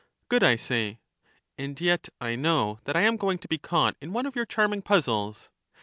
Good, I say. And yet I know that I am going to be caught in one of your charming puzzles.